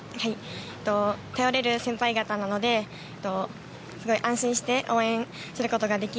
頼れる先輩方なので安心して応援することができ